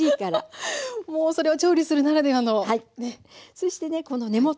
そしてねこの根元。